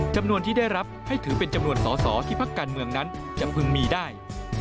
จำนวนที่ได้รับให้ถือเป็นจำนวนสอสอที่พักการเมืองนั้นจะพึงมีได้